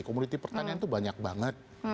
komoditi pertanian itu banyak banget